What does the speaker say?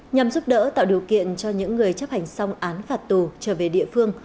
nhằm giúp đỡ tạo điều kiện cho những người chấp hành xong án phạt tù trở về địa phương